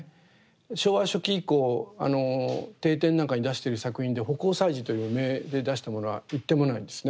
昭和初期以降帝展なんかに出している作品で葆光彩磁という名で出したものは一点もないんですね。